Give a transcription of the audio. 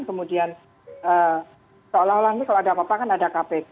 kemudian seolah olah ini kalau ada apa apa kan ada kpk